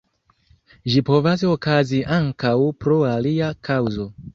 Ĝi povas okazi ankaŭ pro alia kaŭzo.